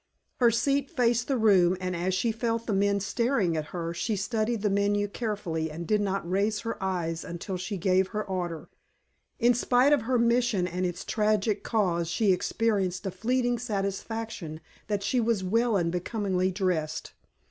Her seat faced the room, and as she felt the men staring at her, she studied the menu carefully and did not raise her eyes until she gave her order. In spite of her mission and its tragic cause she experienced a fleeting satisfaction that she was well and becomingly dressed.